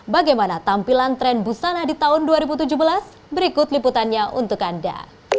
bagaimana tampilan tren busana di tahun dua ribu tujuh belas berikut liputannya untuk anda